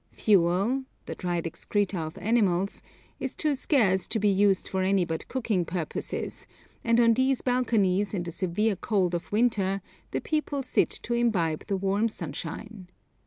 Fuel the dried excreta of animals is too scarce to be used for any but cooking purposes, and on these balconies in the severe cold of winter the people sit to imbibe the warm sunshine.